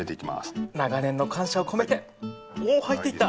長年の感謝を込めておおっ入っていった。